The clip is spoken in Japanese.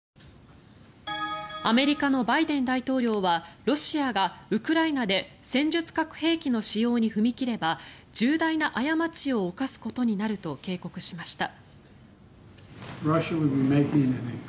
アメリカのバイデン大統領はロシアがウクライナで戦術核兵器の使用に踏み切れば重大な過ちを犯すことになると警告しました。